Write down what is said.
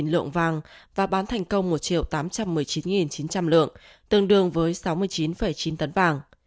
ba mươi hai lượng vàng và bán thành công một tám trăm một mươi chín chín trăm linh lượng tương đương với sáu mươi chín chín tấn vàng